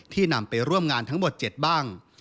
นำไปร่วมงานทั้งหมด๗บ้าง